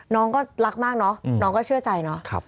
น้องก็รักมากเนอะน้องก็เชื่อใจเนาะ